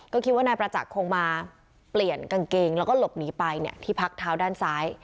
ก็คิดว่านายประจักษ์คงมาเปลี่ยนกางเกงแล้วก็หลบหนีไปที่พักเท้าด้านซ้าย